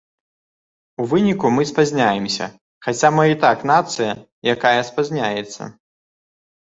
У выніку мы спазняемся, хаця мы і так нацыя, якая спазняецца.